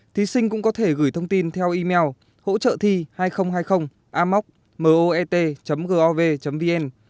thí sinh cũng có thể gửi thông tin theo email hỗ trợthi hai nghìn hai mươi amoc gov vn